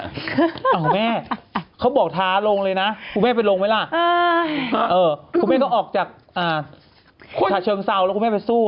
แม่เขาบอกท้าลงเลยนะคุณแม่ไปลงไหมล่ะคุณแม่ต้องออกจากฉะเชิงเซาแล้วคุณแม่ไปสู้